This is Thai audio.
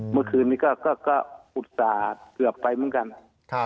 เมื่อคืนนี้ก็อุตส่าห์เกือบไปเหมือนกัน